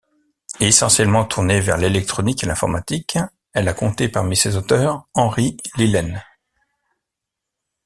Essentiellement tournée vers l'électronique et l'informatique, elle a compté parmi ses auteurs Henri Lilen.